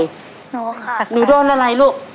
หนูค่ะหนูโดนอะไรลูก